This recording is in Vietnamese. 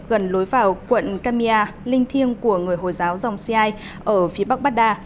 gần lối vào quận qadmia linh thiêng của người hồi giáo dòng siai ở phía bắc bada